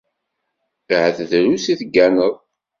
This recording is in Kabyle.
Ahat drus i tegganeḍ.